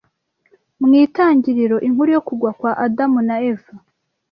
Mw'Itangiriro inkuru yo kugwa kwa Adamu na Eva